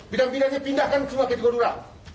bidang bidangnya pindahkan semua ke garuda